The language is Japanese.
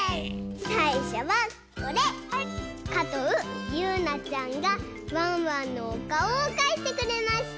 かとうゆうなちゃんがワンワンのおかおをかいてくれました。